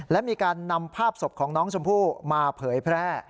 และมีการนำภาพศพของน้องชมพู่มาเผยแพร่